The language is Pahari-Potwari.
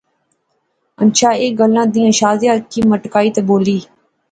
ہنچھا ایہہ گلاں دیاں، شازیہ اکھی مٹکائی تے بولی